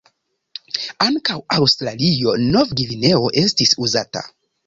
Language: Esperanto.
Ankaŭ "Aŭstralio-Nov-Gvineo" estis uzata.